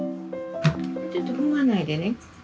ちょっと踏まないでね。